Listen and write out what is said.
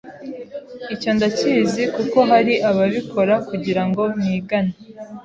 icyo ndakizi kuko hari aba bikora kugirango nigane